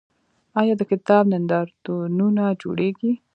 آیا د کتاب نندارتونونه جوړیږي؟